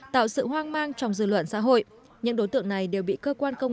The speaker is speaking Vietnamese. tạo sự hoang mang trong dư luận xã hội những đối tượng này đều bị cơ quan công